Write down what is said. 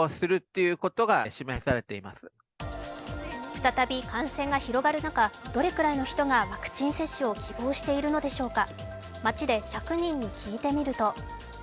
再び感染が広がる中、どれくらいの人がワクチン接種を希望しているのでしょうか